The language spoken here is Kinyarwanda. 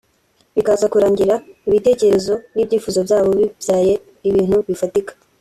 bikaza kurangira ibitekerezo n’ibyifuzo byabo bibyaye ibintu bifatika